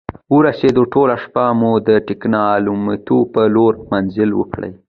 ورسیدو، ټوله شپه مو د ټګلیامنتو په لور مزل وکړ.